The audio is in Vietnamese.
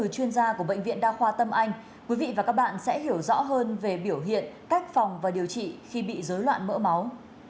các bạn sẽ hiểu rõ hơn về biểu hiện cách phòng và điều trị khi bị dối loạn mỡ máu